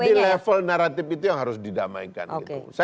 jadi level naratif itu yang harus didamaikan gitu